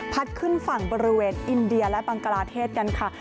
ขึ้นฝั่งบริเวณอินเดียและบังกลาเทศกันค่ะ